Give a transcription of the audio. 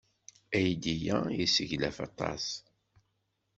Aydi-a yesseglaf aṭas.